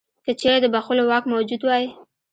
که چیرې د بخښلو واک موجود وای.